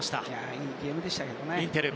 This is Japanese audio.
いいゲームでしたけどね。